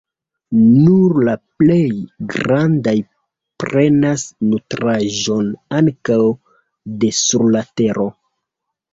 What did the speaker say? Nur la plej grandaj prenas nutraĵon ankaŭ de sur la tero.